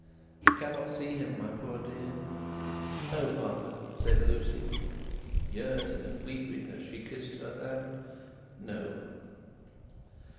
"You cannot see him, my poor dear?" "No, father," said Lucie, yearning and weeping as she kissed her hand, "no."